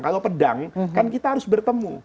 kalau pedang kan kita harus bertemu